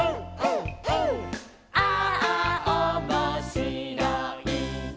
「ああおもしろい」